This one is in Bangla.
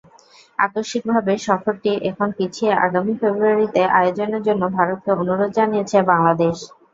আকস্মিকভাবে সফরটি এখন পিছিয়ে আগামী ফেব্রুয়ারিতে আয়োজনের জন্য ভারতকে অনুরোধ জানিয়েছে বাংলাদেশ।